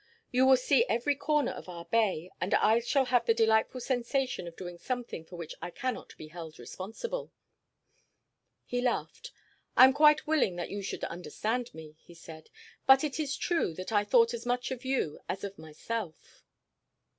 You will see every corner of our bay, and I shall have the delightful sensation of doing something for which I cannot be held responsible." He laughed. "I am quite willing that you should understand me," he said. "But it is true that I thought as much of you as of myself."